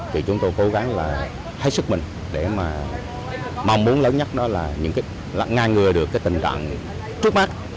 thì chúng tôi cố gắng hết sức mình để mong muốn lớn nhất là ngang ngừa được tình trạng trước mắt